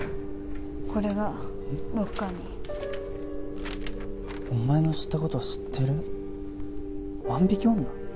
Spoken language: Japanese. これがロッカーに「お前のした事を知っている」「万引き女」？